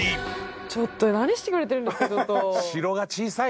ちょっと何してくれてるんですか。